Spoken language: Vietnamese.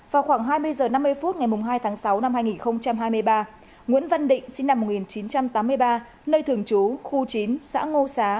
vào khoảng hai mươi h năm mươi phút ngày hai tháng sáu năm hai nghìn hai mươi ba nguyễn văn định sinh năm một nghìn chín trăm tám mươi ba nơi thường trú khu chín xã ngô xá